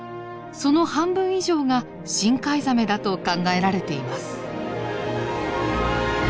その半分以上が深海ザメだと考えられています。